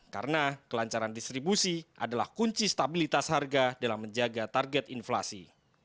karena kelancaran distribusi adalah kunci stabilitas harga dalam menjaga target inflasi